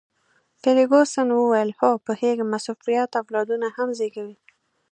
فرګوسن وویل: هو، پوهیږم، مصروفیت اولادونه هم زیږوي.